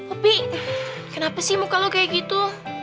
opi kenapa sih muka lo kayak gitu